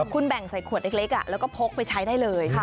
คุณแบ่งใส่ขวดเล็กแล้วก็พกไปใช้ได้เลย